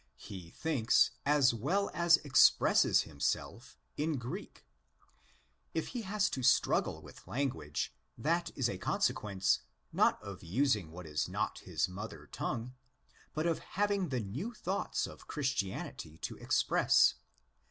He thinks as well as expresses himself in Greek. If he has to struggle with language, that 18 ἃ consequence, not of using what is not his mother tongue, but of having the new thoughts of Christianity to express.